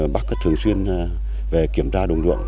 bà cứ thường xuyên kiểm tra đồng lượng